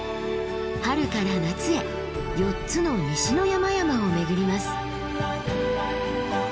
春から夏へ４つの西の山々を巡ります。